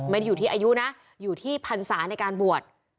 ไม่ได้อยู่ที่อายุนะอยู่ที่พันศาในการบวช